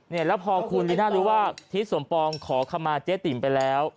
แล้วพอคุณลีน่ารู้ว่าทิศสมปองขอคำมาเจ๊ติ๋มไปแล้ว